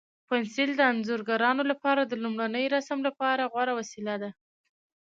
پنسل د انځورګرانو لپاره د لومړني رسم لپاره غوره وسیله ده.